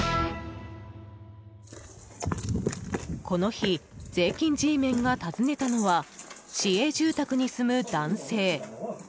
この日、税金Ｇメンが訪ねたのは市営住宅に住む男性。